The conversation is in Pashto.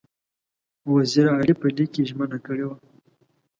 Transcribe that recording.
وزیر علي په لیک کې ژمنه کړې وه.